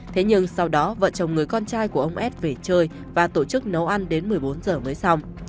thế nhưng sau đó vợ chồng người con trai của ông ad về chơi và tổ chức nấu ăn đến một mươi bốn giờ mới xong